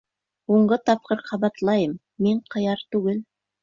— Һуңғы тапҡыр ҡабатлайым, мин ҡыяр түгел.